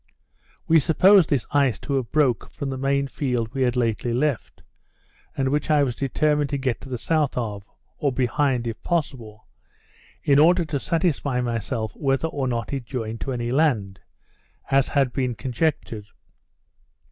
We supposed this ice to have broke from the main field we had lately left; and which I was determined to get to the south of, or behind, if possible, in order to satisfy myself whether or not it joined to any land, as had been conjectured.